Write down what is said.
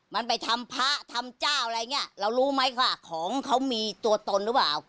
มันไปทำพระทำเจ้าอะไรอย่างนี้เรารู้ไหมค่ะของเขามีตัวตนหรือเปล่า